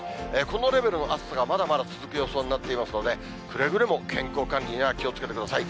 このレベルの暑さがまだまだ続く予想になっていますので、くれぐれも健康管理には気をつけてください。